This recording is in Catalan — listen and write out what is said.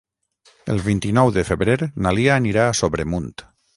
El vint-i-nou de febrer na Lia anirà a Sobremunt.